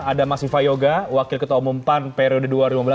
ada mas viva yoga wakil ketua umum pan periode dua ribu lima belas dua ribu